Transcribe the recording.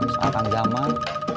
soal kan zaman